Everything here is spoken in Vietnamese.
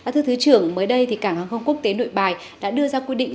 thưa thứ trưởng mới đây cảng hàng không quốc tế nội bài đã đưa ra quy định